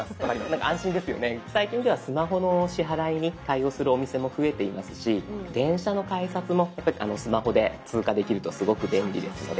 最近ではスマホの支払いに対応するお店も増えていますし電車の改札もやっぱりスマホで通過できるとすごく便利ですので。